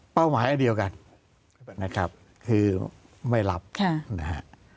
เป้าหมายอันเดียวกันนะครับคือไม่หลับนะครับ